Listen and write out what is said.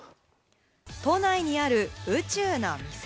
都内にある宇宙の店。